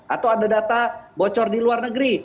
atau ada data bocor di luar negeri